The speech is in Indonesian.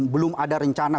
belum ada rencana